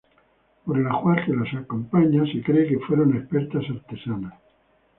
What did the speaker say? Por el ajuar que las acompaña, se cree que fueron expertas artesanas.